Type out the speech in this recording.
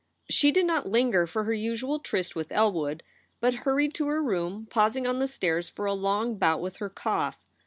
She did not linger for her usual tryst with Elwood, but hurried to her room, pausing on the stairs for a long bout with her cough.